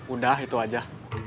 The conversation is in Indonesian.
udah itu aja